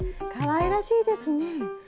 かわいらしいですね。